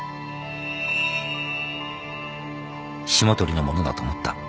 霜鳥の物だと思った。